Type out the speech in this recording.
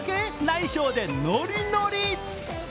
な衣装でノリノリ。